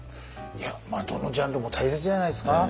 いやどのジャンルも大切じゃないですか？